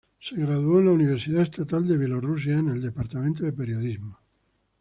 Se graduó en la Universidad Estatal de Bielorrusia, en el departamento de periodismo.